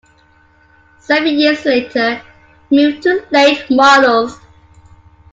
Seven years later he moved to late models.